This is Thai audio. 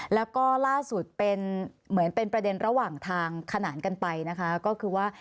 แล้วก็ล่าสุดเป็นเหมือนเป็นประเด็นระหว่างทางขนานกันไปนะคะก็คือว่า